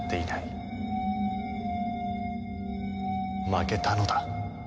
負けたのだ。